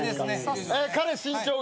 彼身長が。